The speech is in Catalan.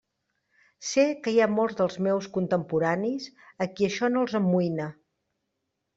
Sé que hi ha molts dels meus contemporanis a qui això no els amoïna.